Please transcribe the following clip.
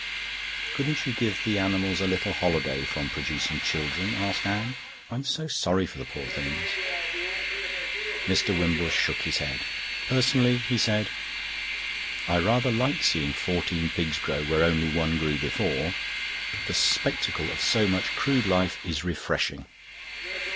"Couldn't you give the animals a little holiday from producing children?" asked Anne. "I'm so sorry for the poor things." Mr. Wimbush shook his head. "Personally," he said, "I rather like seeing fourteen pigs grow where only one grew before. The spectacle of so much crude life is refreshing."